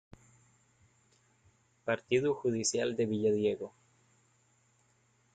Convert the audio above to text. Partido judicial de Villadiego.